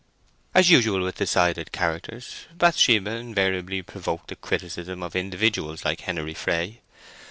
As usual with decided characters, Bathsheba invariably provoked the criticism of individuals like Henery Fray.